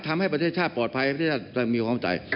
ทำให้ประเทศชาติปลอดภัยให้ประเทศชาติมีความรู้ใจ